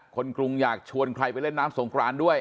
กรุงอยากชวนใครไปเล่นน้ำสงครานด้วย